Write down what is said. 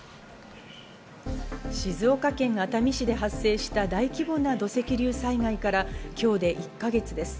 静岡県熱海市で発生した大規模な土石流災害から今日で１か月です。